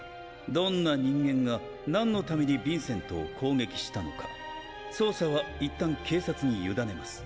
どんな人間が何のためにビンセントを攻撃したのか捜査は一旦警察に委ねます。